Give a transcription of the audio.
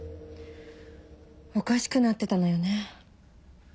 おかしくなってたのよね